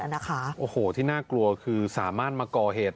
โอ้โหที่น่ากลัวคือสามารถมาก่อเหตุ